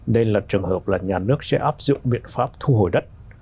đây là trường hợp là nhà nước sẽ áp dụng biện pháp thu hồi đất